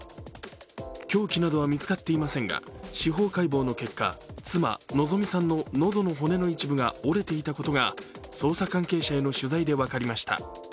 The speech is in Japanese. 凶器などは見つかっていませんが司法解剖の結果妻・希美さんの喉の骨の一部が折れていたことが捜査関係者への取材で分かりました。